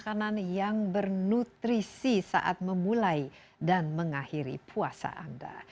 makanan yang bernutrisi saat memulai dan mengakhiri puasa anda